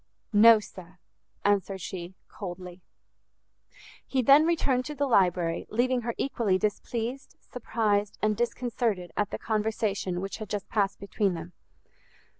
"No, sir," answered she, coldly. He then returned to the library, leaving her equally displeased, surprised, and disconcerted at the conversation which had just passed between them.